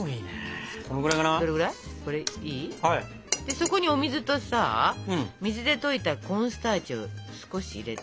そこにお水とさ水で溶いたコーンスターチを少し入れて。